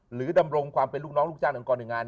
หรือดำรงความเป็นลูกน้องลูกช่างของกรหนึ่งงาน